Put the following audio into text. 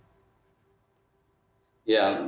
pertanyaannya adalah saya juga tidak tahu